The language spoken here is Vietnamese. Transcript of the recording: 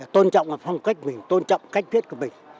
tôn trọng phong cách mình tôn trọng cách viết của mình